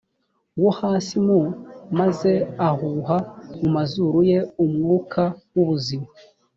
wo hasi m maze ahuha mu mazuru ye umwuka w ubuzima